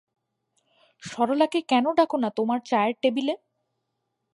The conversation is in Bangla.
সরলাকে কেন ডাক না তোমার চায়ের টেবিলে।